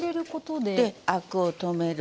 でアクを止める。